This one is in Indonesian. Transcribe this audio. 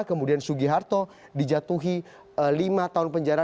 kemudian sugiharto dijatuhi lima tahun penjara